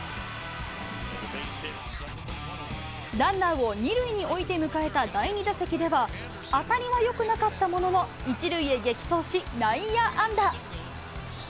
ランナーを２塁に置いて迎えた第２打席では、当たりはよくなかったものの、１塁へ激走し、内野安打。